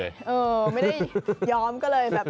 เออไม่ได้ย้อมก็เลยแบบ